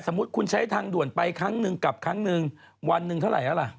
มุติคุณใช้ทางด่วนไปครั้งหนึ่งกลับครั้งหนึ่งวันหนึ่งเท่าไหร่แล้วล่ะ